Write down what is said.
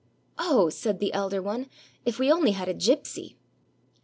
" Oh," said the elder one, " if we only had a gypsy!